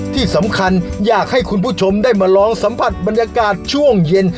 ที่สำคัญอยากให้คุณผู้ชมได้มาลองสัมผัสบรรยากาศช่วงเย็น